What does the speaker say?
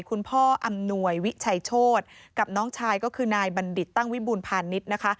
อำนวยวิชัยโชธกับน้องชายก็คือนายบัณฑิตตั้งวิบูรพาณิชย์นะคะ